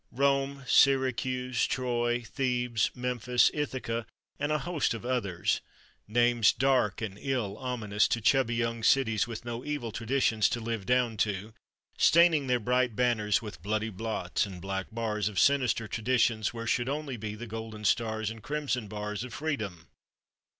Rome, Syracuse, Troy, Thebes, Memphis, Ithaca, and a host of others, names dark and ill ominous to chubby young cities with no evil traditions to live down to, staining their bright banners with bloody blots and black bars of sinister tradition where should only be the golden stars and crimson bars of freedom.